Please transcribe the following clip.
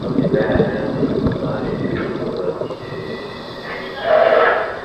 শিয়রের কাছে কুমু বসে বিপ্রদাসের মাথায় হাত বুলিয়ে দিচ্ছিল।